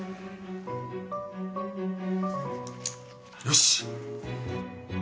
よし。